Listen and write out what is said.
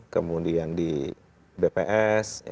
kemudian di bps